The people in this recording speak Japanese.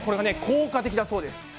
効果的だそうです。